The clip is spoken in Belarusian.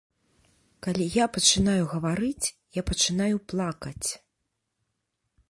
Калі я пачынаю гаварыць, я пачынаю плакаць.